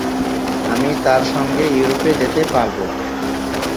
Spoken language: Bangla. আমি তাঁর সঙ্গে ইউরোপে যেতে পারব।